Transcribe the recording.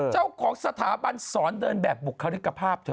เจ้าของสถาบันสอนเดินแบบบุคลิกภาพเธอ